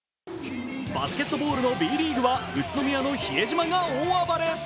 バスケットボールのＢリーグは宇都宮の比江島が大暴れ。